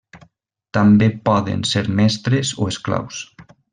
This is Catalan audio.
També poden ser mestres o esclaus.